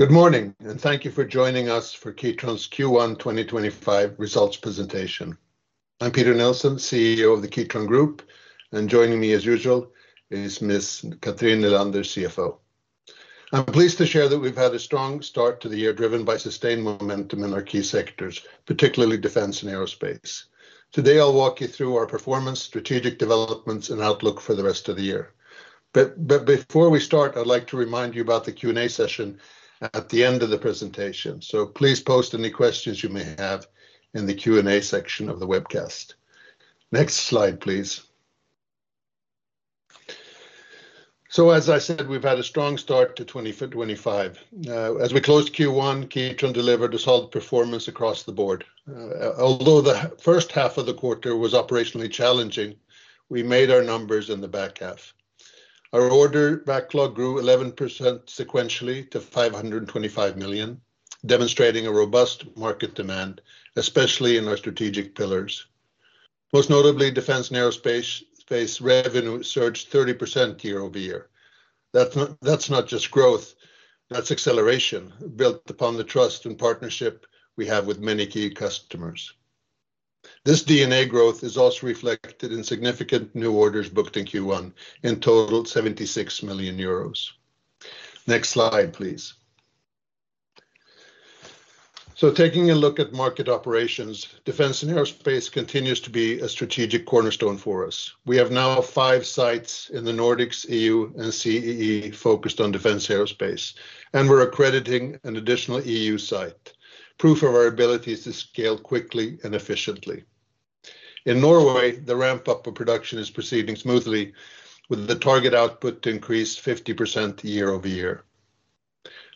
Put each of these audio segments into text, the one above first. Good morning, and thank you for joining us for Kitron's Q1 2025 results presentation. I'm Peter Nilsson, CEO of the Kitron Group, and joining me as usual is Ms. Cathrin Nylander, CFO. I'm pleased to share that we've had a strong start to the year, driven by sustained momentum in our key sectors, particularly defense and aerospace. Today, I'll walk you through our performance, strategic developments, and outlook for the rest of the year. Before we start, I'd like to remind you about the Q&A session at the end of the presentation, so please post any questions you may have in the Q&A section of the webcast. Next slide, please. As I said, we've had a strong start to 2025. As we closed Q1, Kitron delivered a solid performance across the board. Although the first half of the quarter was operationally challenging, we made our numbers in the back half. Our order backlog grew 11% sequentially to $525 million, demonstrating a robust market demand, especially in our strategic pillars. Most notably, defense and aerospace revenue surged 30% year-over-year. That's not just growth; that's acceleration built upon the trust and partnership we have with many key customers. This D&A growth is also reflected in significant new orders booked in Q1, in total 76 million euros. Next slide, please. Taking a look at market operations, defense and aerospace continues to be a strategic cornerstone for us. We have now five sites in the Nordics, EU, and CEE focused on defense and aerospace, and we're accrediting an additional EU site, proof of our ability to scale quickly and efficiently. In Norway, the ramp-up of production is proceeding smoothly, with the target output to increase 50% year-over-year.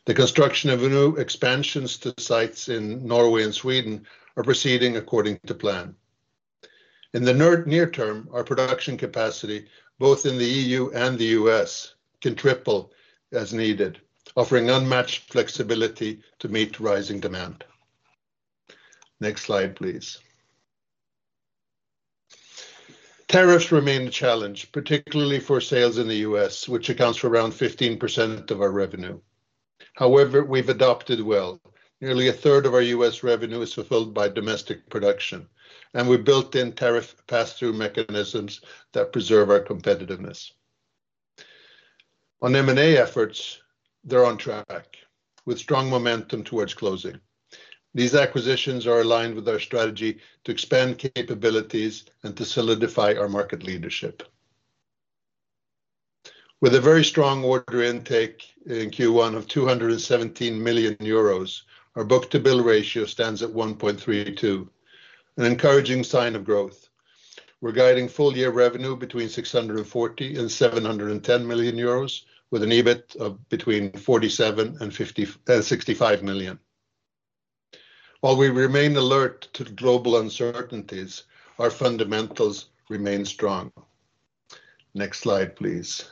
The construction of new expansions to sites in Norway and Sweden are proceeding according to plan. In the near term, our production capacity, both in the EU and the US, can triple as needed, offering unmatched flexibility to meet rising demand. Next slide, please. Tariffs remain a challenge, particularly for sales in the US, which accounts for around 15% of our revenue. However, we've adopted well; nearly a third of our US revenue is fulfilled by domestic production, and we've built in tariff pass-through mechanisms that preserve our competitiveness. On M&A efforts, they're on track, with strong momentum towards closing. These acquisitions are aligned with our strategy to expand capabilities and to solidify our market leadership. With a very strong order intake in Q1 of 217 million euros, our book-to-bill ratio stands at 1.32, an encouraging sign of growth. We're guiding full-year revenue between 640 million and 710 million euros, with an EBIT of between 47 million and 65 million. While we remain alert to global uncertainties, our fundamentals remain strong. Next slide, please.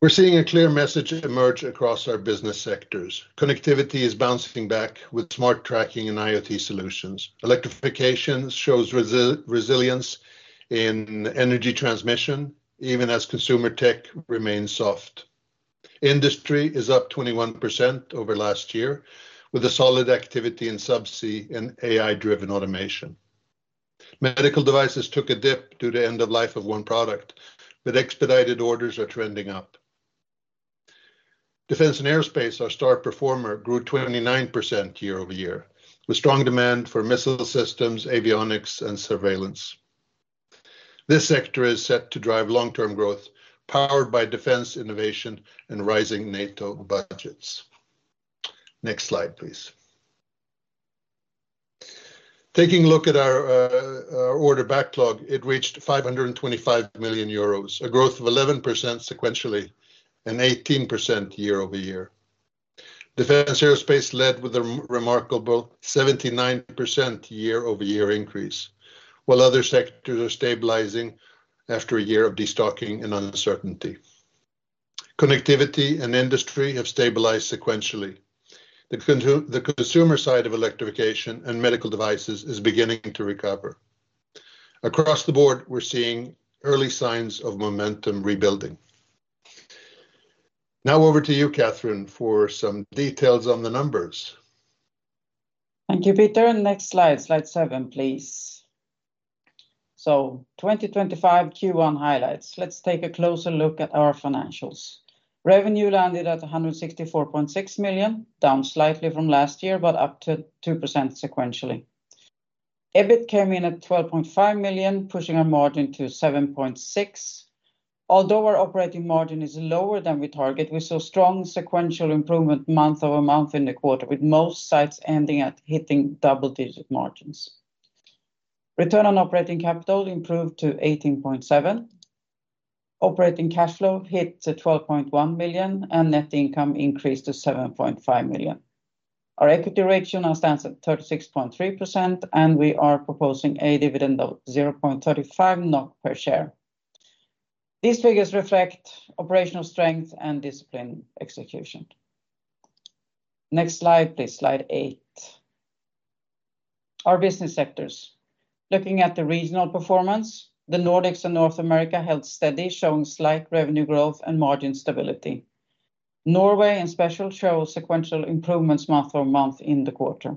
We're seeing a clear message emerge across our business sectors. Connectivity is bouncing back with smart tracking and IoT solutions. Electrification shows resilience in energy transmission, even as consumer tech remains soft. Industry is up 21% over last year, with a solid activity in subsea and AI-driven automation. Medical devices took a dip due to the end of life of one product, but expedited orders are trending up. Defense and aerospace, our star performer, grew 29% year-over-year, with strong demand for missile systems, avionics, and surveillance. This sector is set to drive long-term growth, powered by defense innovation and rising NATO budgets. Next slide, please. Taking a look at our order backlog, it reached 525 million euros, a growth of 11% sequentially and 18% year-over-year. Defense and aerospace led with a remarkable 79% year-over-year increase, while other sectors are stabilizing after a year of destocking and uncertainty. Connectivity and industry have stabilized sequentially. The consumer side of electrification and medical devices is beginning to recover. Across the board, we're seeing early signs of momentum rebuilding. Now, over to you, Cathrin, for some details on the numbers. Thank you, Peter. Next slide, slide seven, please. 2025 Q1 highlights. Let's take a closer look at our financials. Revenue landed at 164.6 million, down slightly from last year, but up 2% sequentially. EBIT came in at 12.5 million, pushing our margin to 7.6%. Although our operating margin is lower than we target, we saw strong sequential improvement month over month in the quarter, with most sites ending at hitting double-digit margins. Return on operating capital improved to 18.7%. Operating cash flow hit 12.1 million, and net income increased to 7.5 million. Our equity ratio now stands at 36.3%, and we are proposing a dividend of 0.35 NOK per share. These figures reflect operational strength and disciplined execution. Next slide, please. Slide eight. Our business sectors. Looking at the regional performance, the Nordics and North America held steady, showing slight revenue growth and margin stability. Norway, in special, showed sequential improvements month over month in the quarter.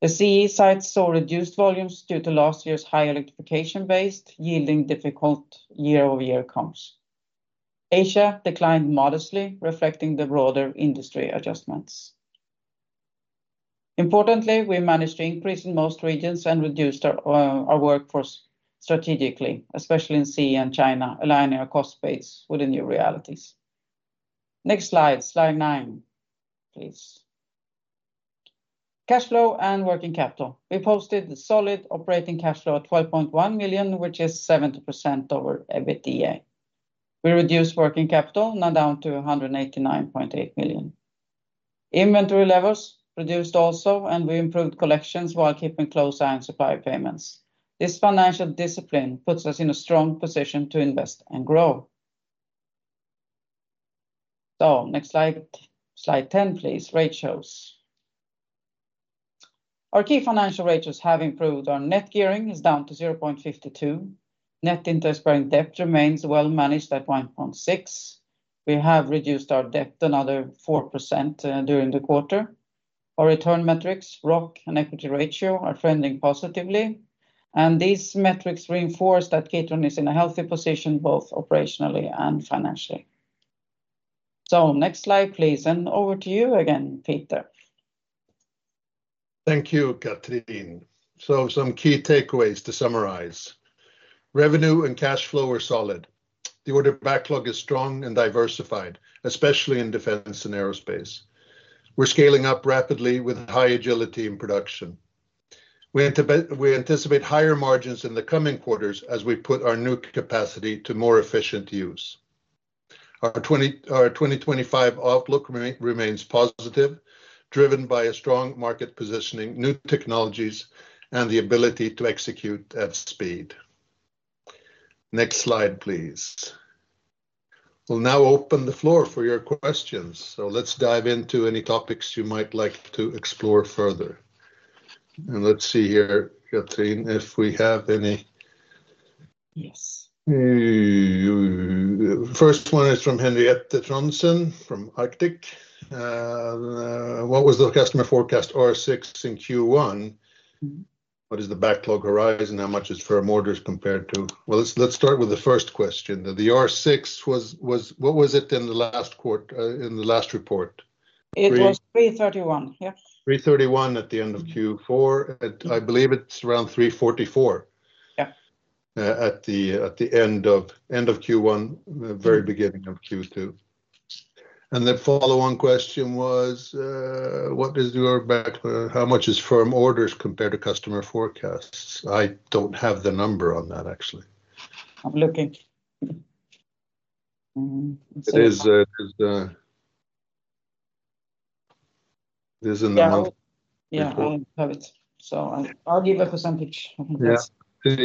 The CEE sites saw reduced volumes due to last year's high electrification base, yielding difficult year-over-year comps. Asia declined modestly, reflecting the broader industry adjustments. Importantly, we managed to increase in most regions and reduce our workforce strategically, especially in CEE and China, aligning our cost base with the new realities. Next slide. Slide nine, please. Cash flow and working capital. We posted a solid operating cash flow of 12.1 million, which is 70% over EBITDA. We reduced working capital, now down to 189.8 million. Inventory levels reduced also, and we improved collections while keeping close eye on supply payments. This financial discipline puts us in a strong position to invest and grow. Next slide. Slide 10, please. Ratios. Our key financial ratios have improved. Our net gearing is down to 0.52. Net interest-bearing debt remains well managed at 1.6. We have reduced our debt another 4% during the quarter. Our return metrics, ROC and equity ratio, are trending positively, and these metrics reinforce that Kitron is in a healthy position both operationally and financially. Next slide, please. Over to you again, Peter. Thank you, Cathrin. Some key takeaways to summarize. Revenue and cash flow are solid. The order backlog is strong and diversified, especially in defense and aerospace. We are scaling up rapidly with high agility in production. We anticipate higher margins in the coming quarters as we put our new capacity to more efficient use. Our 2025 outlook remains positive, driven by a strong market positioning, new technologies, and the ability to execute at speed. Next slide, please. We will now open the floor for your questions. Let us dive into any topics you might like to explore further. Let us see here, Cathrin, if we have any. Yes. First one is from Henriette Trondsen from Arctic. What was the customer forecast R6 in Q1? What is the backlog horizon? How much is firm orders compared to? Let us start with the first question. The R6, what was it in the last report? It was 331. Yeah. Three-thirty one at the end of Q4. I believe it's around 344 at the end of Q1, very beginning of Q2. The follow-on question was, what is your backlog? How much is firm orders compared to customer forecasts? I don't have the number on that, actually. I'm looking. It is in the month. Yeah, I'll give a percentage. Yeah. In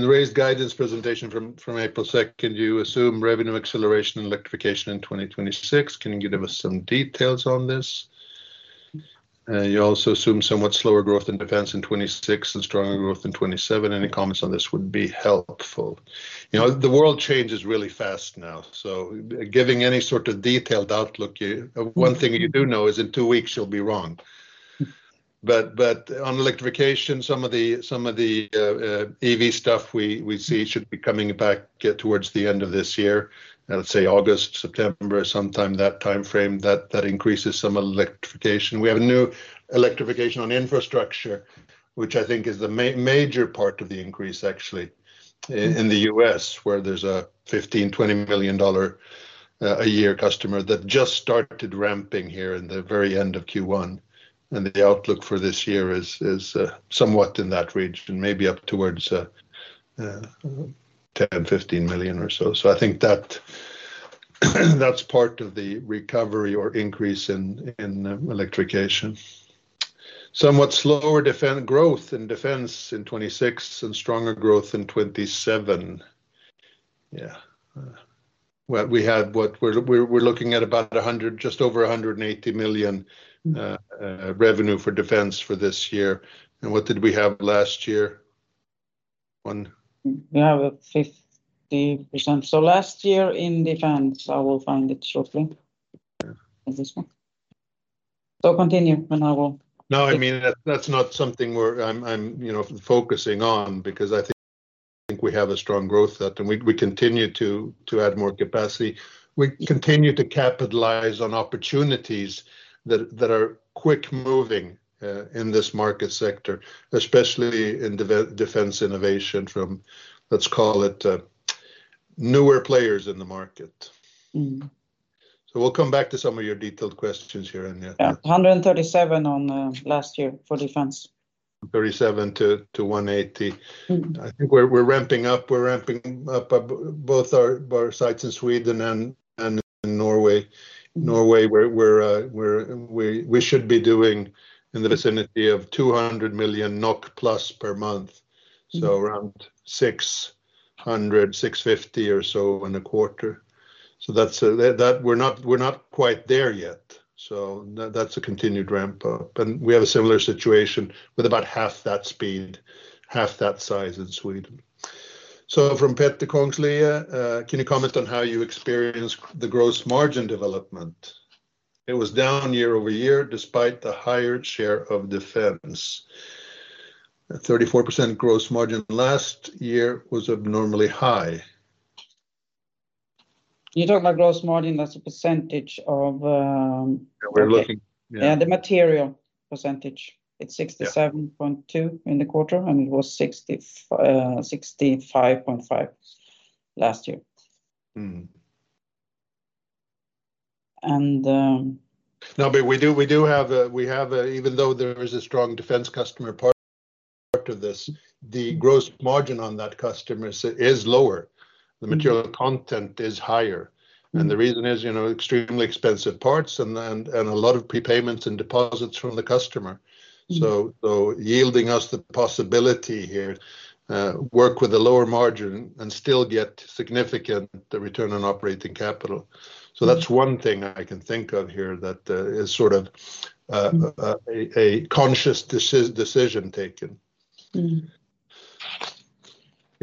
the raised guidance presentation from April 2nd, you assume revenue acceleration and electrification in 2026. Can you give us some details on this? You also assume somewhat slower growth in defense in 2026 and stronger growth in 2027. Any comments on this would be helpful. The world changes really fast now, so giving any sort of detailed outlook, one thing you do know is in two weeks you'll be wrong. On electrification, some of the EV stuff we see should be coming back towards the end of this year, let's say August, September, sometime that time frame, that increases some of the electrification. We have new electrification on infrastructure, which I think is the major part of the increase, actually, in the U.S., where there's a $15 million-$20 million a year customer that just started ramping here in the very end of Q1. The outlook for this year is somewhat in that region, maybe up towards 10 million-15 million or so. I think that's part of the recovery or increase in electrification. Somewhat slower growth in defense in 2026 and stronger growth in 2027. Yeah. We had what we're looking at, about just over 180 million revenue for defense for this year. What did we have last year? We have 50%. Last year in defense, I will find it shortly. Yeah. Continue, and I will. No, I mean, that's not something we're focusing on because I think we have a strong growth that we continue to add more capacity. We continue to capitalize on opportunities that are quick-moving in this market sector, especially in defense innovation from, let's call it, newer players in the market. We'll come back to some of your detailed questions here in. Yeah, 137 on last year for defense. 137 to 180. I think we're ramping up. We're ramping up both our sites in Sweden and Norway. Norway, we should be doing in the vicinity of 200 million NOK plus per month, so around 600 million-650 million or so in a quarter. We're not quite there yet. That is a continued ramp-up. We have a similar situation with about half that speed, half that size in Sweden. From Petter Kongslie, can you comment on how you experience the gross margin development? It was down year-over-year despite the higher share of defense. 34% gross margin last year was abnormally high. You talk about gross margin, that's a percentage of. We're looking. Yeah, the material percentage. It's 67.2% in the quarter, and it was 65.5% last year. No, but we do have, even though there is a strong defense customer part of this, the gross margin on that customer is lower. The material content is higher. The reason is extremely expensive parts and a lot of prepayments and deposits from the customer. Yielding us the possibility here, work with a lower margin and still get significant return on operating capital. That is one thing I can think of here that is sort of a conscious decision taken. Can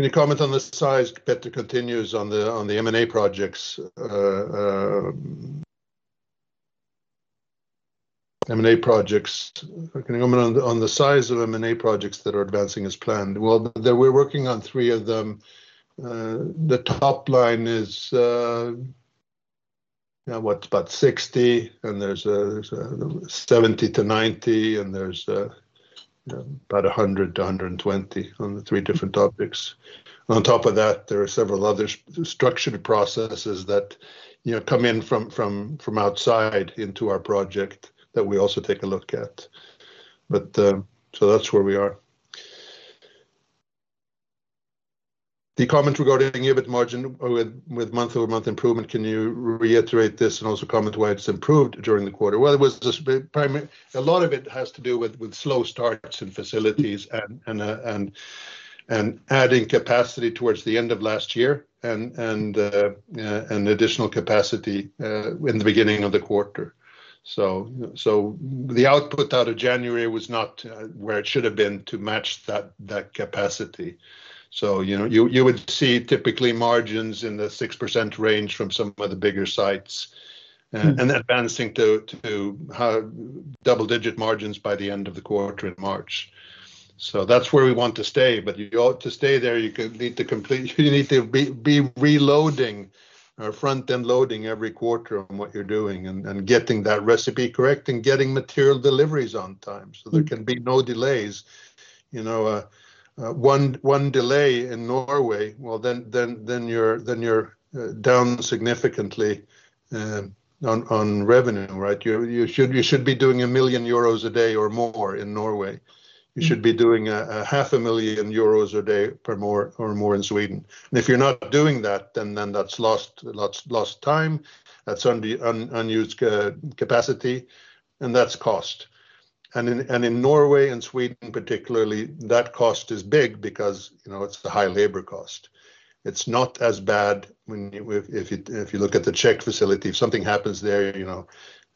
you comment on the size? Petter continues on the M&A projects. M&A projects. Can you comment on the size of M&A projects that are advancing as planned? We are working on three of them. The top line is, yeah, what, about 60, and there is 70-90, and there is about 100-120 on the three different topics. On top of that, there are several other structured processes that come in from outside into our project that we also take a look at. That is where we are. The comments regarding EBIT margin with month-over-month improvement, can you reiterate this and also comment why it has improved during the quarter? It was a lot of it has to do with slow starts in facilities and adding capacity towards the end of last year and additional capacity in the beginning of the quarter. The output out of January was not where it should have been to match that capacity. You would see typically margins in the 6% range from some of the bigger sites and advancing to double-digit margins by the end of the quarter in March. That is where we want to stay. To stay there, you need to complete, you need to be reloading or front-end loading every quarter on what you're doing and getting that recipe correct and getting material deliveries on time so there can be no delays. One delay in Norway, you are down significantly on revenue, right? You should be doing 1,000,000 euros a day or more in Norway. You should be doing 500,000 euros a day or more in Sweden. If you're not doing that, then that's lost time. That's unused capacity, and that's cost. In Norway and Sweden, particularly, that cost is big because it's a high labor cost. It's not as bad if you look at the Czech facility. If something happens there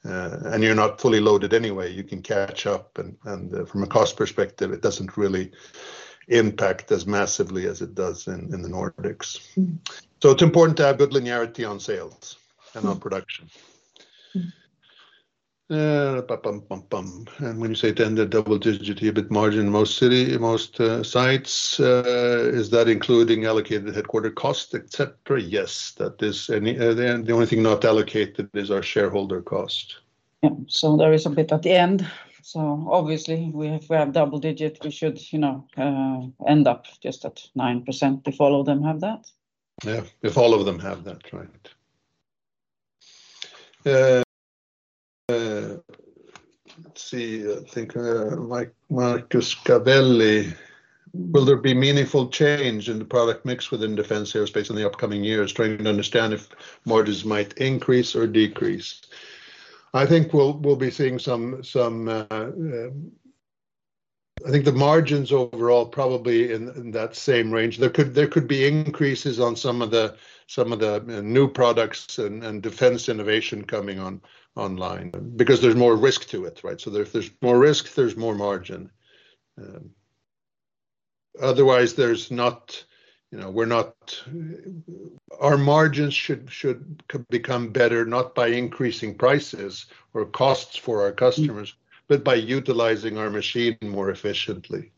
and you're not fully loaded anyway, you can catch up. From a cost perspective, it does not really impact as massively as it does in the Nordics. It is important to have good linearity on sales and on production. When you say it ended double-digit EBIT margin in most sites, is that including allocated headquarter cost, etc.? Yes, that is. The only thing not allocated is our shareholder cost. Yeah. There is a bit at the end. Obviously, if we have double-digit, we should end up just at 9%. Do all of them have that? Yeah. If all of them have that, right. Let's see. I think Marcus Cappelli, will there be meaningful change in the product mix within defense aerospace in the upcoming years? Trying to understand if margins might increase or decrease. I think we'll be seeing some, I think the margins overall probably in that same range. There could be increases on some of the new products and defense innovation coming online because there's more risk to it, right? If there's more risk, there's more margin. Otherwise, our margins should become better not by increasing prices or costs for our customers, but by utilizing our machine more efficiently.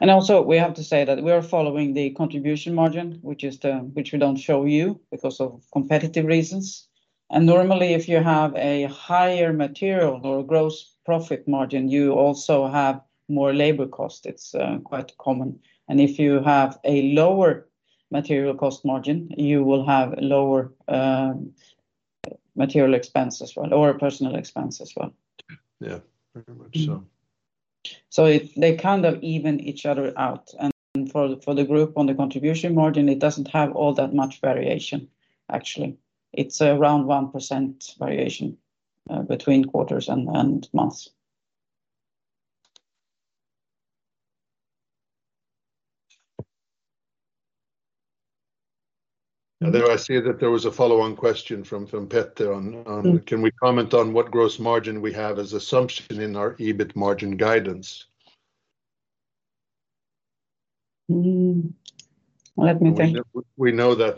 We have to say that we are following the contribution margin, which we do not show you because of competitive reasons. Normally, if you have a higher material or gross profit margin, you also have more labor cost. It is quite common. If you have a lower material cost margin, you will have lower material expenses or personal expenses as well. Yeah, very much so. They kind of even each other out. For the group on the contribution margin, it does not have all that much variation, actually. It is around 1% variation between quarters and months. I see that there was a follow-on question from Petter on, can we comment on what gross margin we have as assumption in our EBIT margin guidance? Let me think. We know that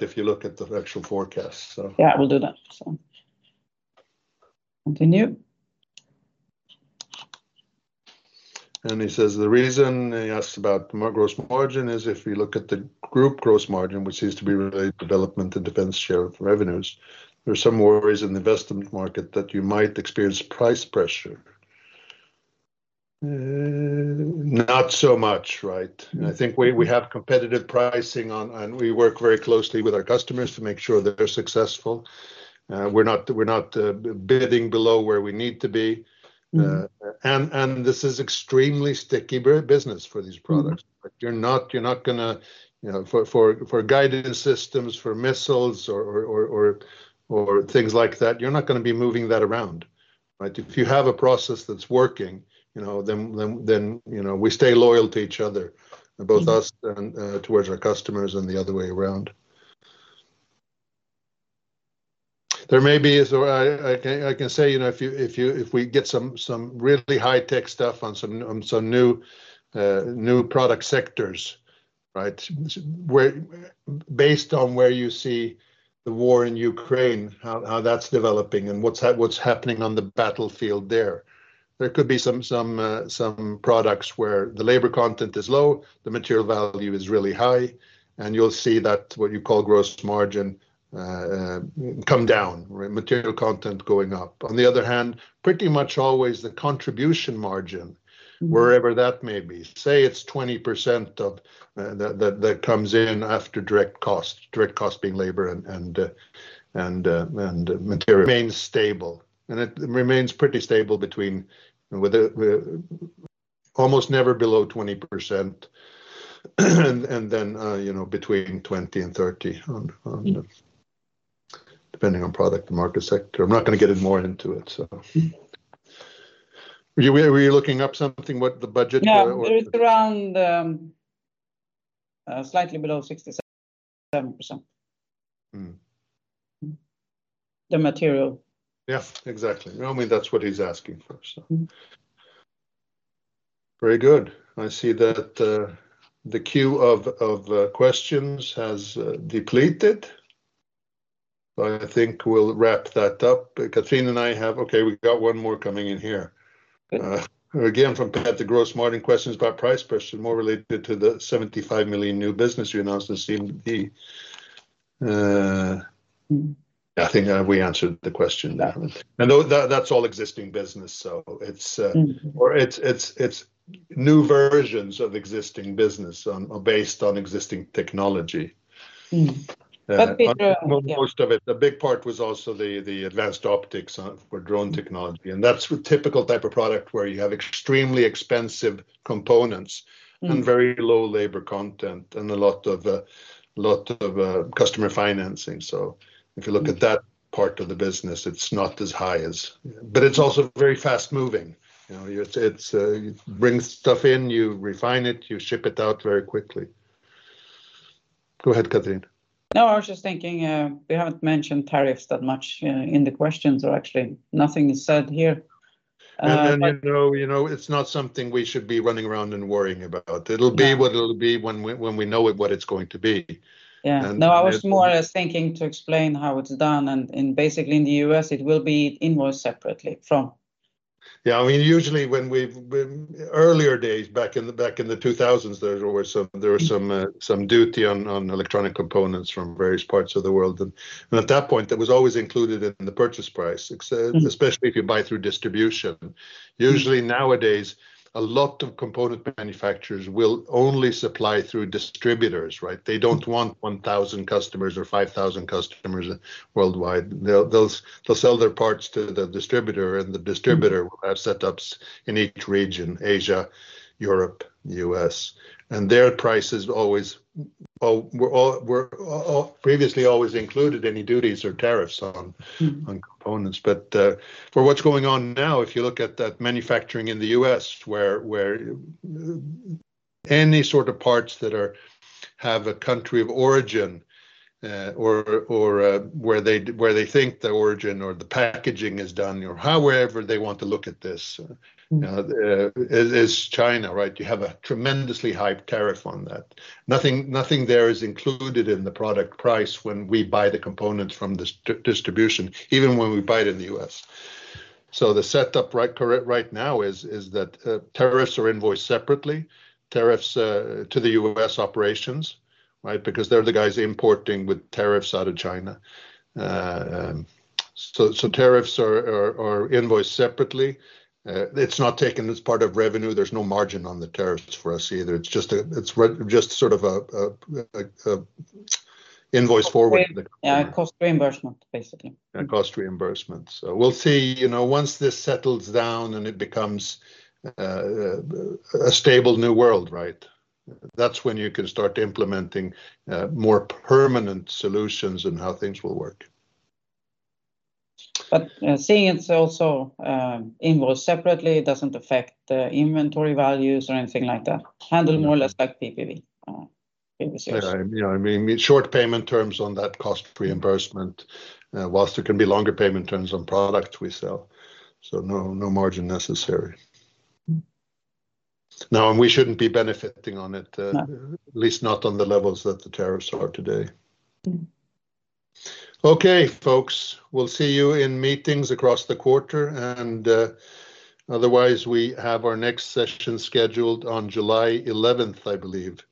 if you look at the actual forecast, so. Yeah, we'll do that. Continue. He says the reason he asked about gross margin is if we look at the group gross margin, which seems to be related to development and defense share revenues, there are some worries in the investment market that you might experience price pressure. Not so much, right? I think we have competitive pricing, and we work very closely with our customers to make sure they're successful. We're not bidding below where we need to be. This is extremely sticky business for these products. You're not going to, for guidance systems, for missiles or things like that, you're not going to be moving that around, right? If you have a process that's working, then we stay loyal to each other, both us towards our customers and the other way around. There may be, I can say, if we get some really high-tech stuff on some new product sectors, right, based on where you see the war in Ukraine, how that's developing, and what's happening on the battlefield there, there could be some products where the labor content is low, the material value is really high, and you'll see that what you call gross margin come down, material content going up. On the other hand, pretty much always the contribution margin, wherever that may be, say it's 20% that comes in after direct cost, direct cost being labor and material, remains stable. And it remains pretty stable between almost never below 20% and then between 20%-30%, depending on product and market sector. I'm not going to get more into it, so. Were you looking up something, what the budget? Yeah, it was around slightly below 67%. The material. Yeah, exactly. I mean, that's what he's asking for, so. Very good. I see that the queue of questions has depleted. I think we'll wrap that up. Cathrin and I have, okay, we got one more coming in here. Again, from Petter, gross margin questions about price pressure, more related to the 75 million new business you announced in CMD. I think we answered the question there. And that's all existing business, so it's new versions of existing business based on existing technology. But Peter. Most of it. A big part was also the advanced optics for drone technology. That is a typical type of product where you have extremely expensive components and very low labor content and a lot of customer financing. If you look at that part of the business, it is not as high as, but it is also very fast-moving. It brings stuff in, you refine it, you ship it out very quickly. Go ahead, Cathrin. No, I was just thinking we haven't mentioned tariffs that much in the questions, or actually nothing is said here. It is not something we should be running around and worrying about. It will be what it will be when we know what it is going to be. Yeah. No, I was more thinking to explain how it's done. Basically, in the U.S., it will be invoiced separately from. Yeah. I mean, usually when we've earlier days, back in the 2000s, there were some duty on electronic components from various parts of the world. At that point, that was always included in the purchase price, especially if you buy through distribution. Usually, nowadays, a lot of component manufacturers will only supply through distributors, right? They do not want 1,000 customers or 5,000 customers worldwide. They will sell their parts to the distributor, and the distributor will have setups in each region, Asia, Europe, U.S. Their price has always previously included any duties or tariffs on components. For what is going on now, if you look at that manufacturing in the US, where any sort of parts that have a country of origin or where they think the origin or the packaging is done or however they want to look at this is China, right? You have a tremendously high tariff on that. Nothing there is included in the product price when we buy the components from the distribution, even when we buy it in the U.S. The setup right now is that tariffs are invoiced separately, tariffs to the US operations, right, because they're the guys importing with tariffs out of China. Tariffs are invoiced separately. It's not taken as part of revenue. There's no margin on the tariffs for us either. It's just sort of invoice forward. Yeah, cost reimbursement, basically. Yeah, cost reimbursement. We'll see once this settles down and it becomes a stable new world, right? That's when you can start implementing more permanent solutions and how things will work. Seeing it's also invoiced separately, it doesn't affect inventory values or anything like that. Handled more or less like PPV. Yeah. I mean, short payment terms on that cost reimbursement, whilst there can be longer payment terms on products we sell. No margin necessary. Now, we shouldn't be benefiting on it, at least not on the levels that the tariffs are today. Okay, folks, we'll see you in meetings across the quarter. Otherwise, we have our next session scheduled on July 11th, I believe,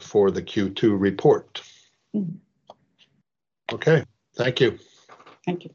for the Q2 report. Okay. Thank you. Thank you.